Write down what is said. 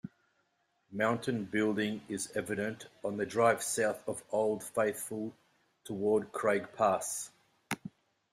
Mountain building is evident on the drive south of Old Faithful, toward Craig Pass.